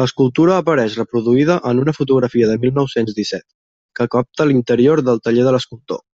L'escultura apareix reproduïda en una fotografia de mil nou-cents disset, que capta l'interior del taller de l'escultor.